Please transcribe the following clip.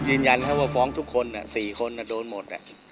ยืนยันแล้วว่าฟ้องทุกคน๔คนโดนหมด